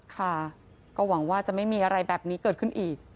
ค่ะก็หวังว่าจะไม่มีอะไรแบบนี้เกิดขึ้นอีก